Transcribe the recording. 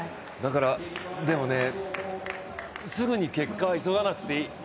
でもね、すぐに結果を急がなくてもいい。